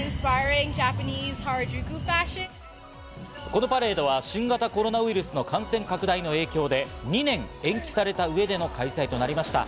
このパレードは新型コロナウイルスの感染拡大の影響で２年延期された上での開催となりました。